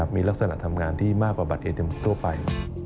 มีลักษณะทำงานที่มากกว่าบัตรเอ็มทั่วไป